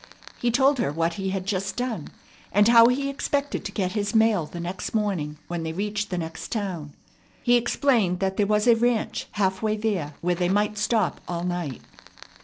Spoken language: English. He told her what he had just done, and how he expected to get his mail the next morning when they reached the next town. He explained that there was a ranch half way there where they might stop all night.